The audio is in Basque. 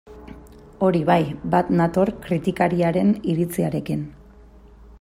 Hori bai, bat nator kritikariaren iritziarekin.